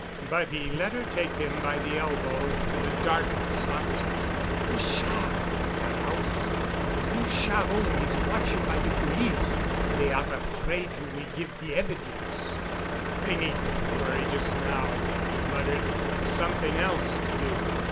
But he let her take him by the elbow to the darkness opposite. "Pochard. De house in de Rue Charron is watch' by de police. Dey are afraid you will give de evidence——" "They needn't worry just now," he muttered. "I've something else to do."